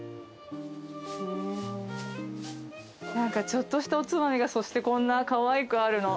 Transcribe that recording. ちょっとしたおつまみがそしてこんなかわいくあるの。